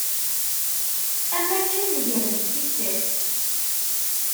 Am akken negrent tissas.